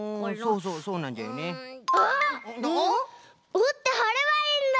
おってはればいいんだ！